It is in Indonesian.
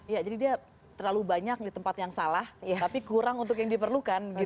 ya jadi dia terlalu banyak di tempat yang salah tapi kurang untuk yang diperlukan